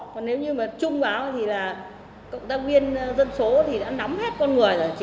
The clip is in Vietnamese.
còn nếu như mà chung báo thì là cộng tác viên dân số thì đã nắm hết con người rồi